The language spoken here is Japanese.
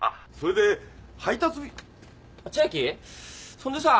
そんでさー。